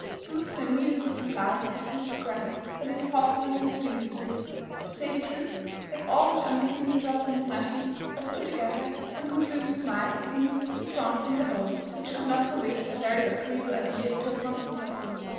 Booth so immediately complied with this request that it is possible he was pleased with it. To say the truth, if all which unwittingly dropt from Miss Matthews was put together, some conclusions might, it seems, be drawn from the whole, which could not convey a very agreeable idea to a constant husband.